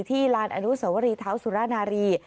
ลานอนุสวรีเท้าสุรนารี